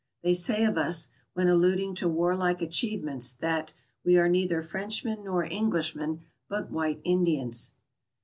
They say of us, when alluding to warlike achievements, that "we are neither Frenchmen nor Englishmen, but white Indians."